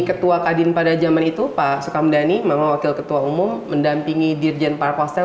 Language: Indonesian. ketua kadin pada zaman itu pak sukamdhani memang wakil ketua umum mendampingi dirjen parkostel